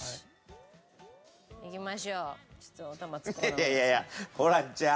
いやいやいやホランちゃん。